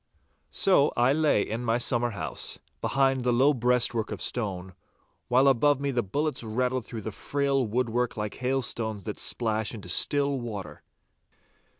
So I lay in my summer house, behind the low breastwork of stone, while above me the bullets rattled through the frail woodwork like hailstones that splash into still water.